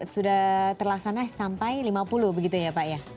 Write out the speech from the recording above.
sudah terlaksana sampai lima puluh begitu ya pak ya